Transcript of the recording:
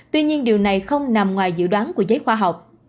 tuy nhiên điều này không nằm ngoài dự đoán của giới khoa học